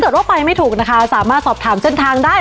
ถ้าเกิดว่าไม่ถูกนะคะสามารถสอบถามเส้นทางได้